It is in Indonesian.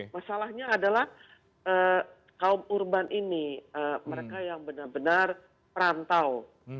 masalahnya adalah kaum urban ini mereka yang benar benar perantau